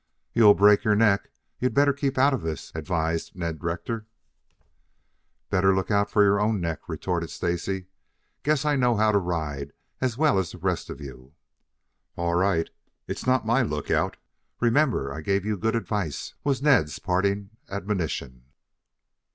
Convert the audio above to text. "You'll break your neck. You'd better keep out of this," advised Ned Rector. "Better look out for your own neck," retorted Stacy. "Guess I know how to ride as well as the rest of you." "All right, it's not my lookout. Remember I gave you good advice," was Ned's parting admonition.